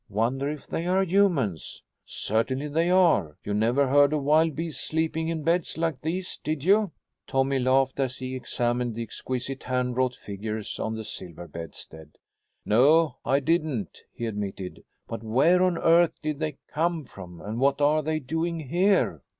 "Wonder if they are humans?" "Certainly they are. You never heard of wild beasts sleeping in beds like these, did you?" Tommy laughed at he examined the exquisite hand wrought figures on the silver bedstead. "No, I didn't," he admitted; "but where on earth did they come from, and what are they doing here?"